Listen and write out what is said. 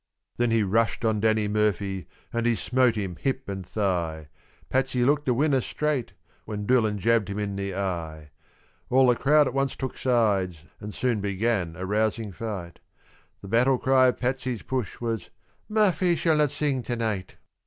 Then he rushed on Danny Murphy and he smote him hip and thigh; Patsy looked a winner straight, when Doolan jabbed him in the eye. All the crowd at once took sides, and soon began a rousing fight; The battle cry of Patsy's push was "Murphy shall not sing to night."